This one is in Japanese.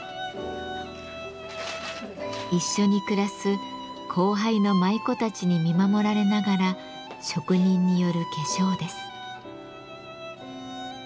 一緒に暮らす後輩の舞妓たちに見守られながら職人による化粧です。